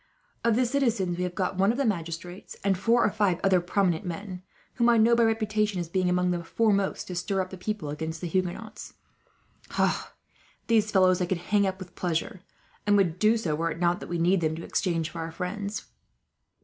"Of the citizens we have got one of the magistrates, and four or five other prominent men; whom I know, by reputation, as having been among the foremost to stir up the people against the Huguenots. These fellows I could hang up with pleasure, and would do so, were it not that we need them to exchange for our friends.